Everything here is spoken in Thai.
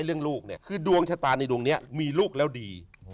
เรื่องลูกดวงชะตาในดวงนี้มีลูกแล้วดี